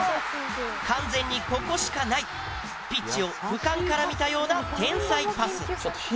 完全にここしかないピッチを俯瞰から見たような天才パス。